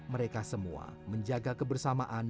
mereka semua menjaga kebersamaan